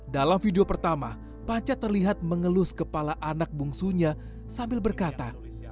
dalam video pertama panca terlihat mengelus kepala anak bungsunya sambil berkata